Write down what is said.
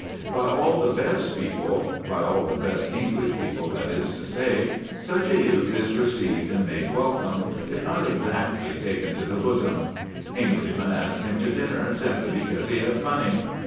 By all the best people by all the best English people, that is to say such a youth is received and made welcome, if not exactly taken to the bosom. Englishmen ask him to dinner simply because he has money.